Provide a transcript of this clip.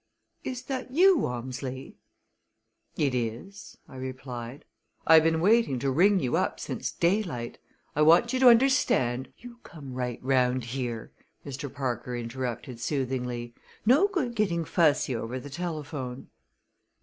"Is that you, Walmsley?" "It is," I replied. "I have been waiting to ring you up since daylight! I want you to understand " "You come right round here!" Mr. Parker interrupted soothingly. "No good getting fussy over the telephone!"